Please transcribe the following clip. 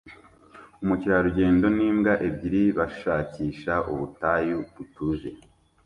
Umukerarugendo n'imbwa ebyiri bashakisha ubutayu butuje